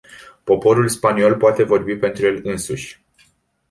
Poporul spaniol poate vorbi pentru el însuși.